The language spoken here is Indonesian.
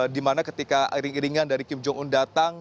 di mana ketika ring iringan dari kim jong un datang